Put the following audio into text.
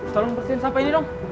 tolong bersihin sampah ini dong